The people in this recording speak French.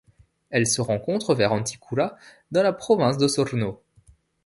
Elle se rencontre vers Anticura dans la province d'Osorno.